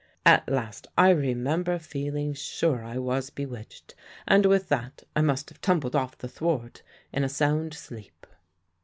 At last I remember feeling sure I was bewitched, and with that I must have tumbled off the thwart in a sound sleep.